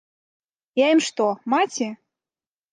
Я ім што, маці?